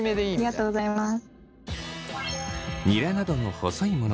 ありがとうございます。